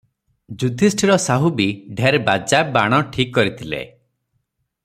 ଯୁଧିଷ୍ଠିର ସାହୁ ବି ଢେର୍ ବାଜା, ବାଣ ଠିକ କରିଥିଲେ ।